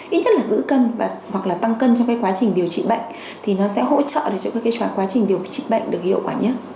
ít nhất là giữ cân hoặc là tăng cân trong cái quá trình điều trị bệnh thì nó sẽ hỗ trợ cho cái quá trình điều trị bệnh được hiệu quả nhé